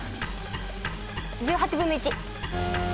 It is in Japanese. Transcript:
１８分の１。